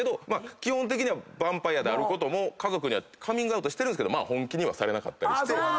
基本的にはバンパイアであることも家族にはカミングアウトしてるんですが本気にはされなかったりして。